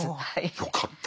よかった。